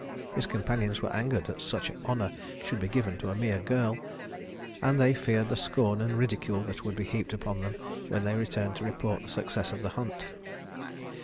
His companions were angered that such honor should be given a mere girl, and they feared the scorn and ridicule that would be heaped upon them when they returned to report the success of the hunt.